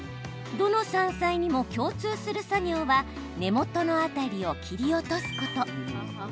どの山菜にも共通する作業は根元の辺りを切り落とすこと。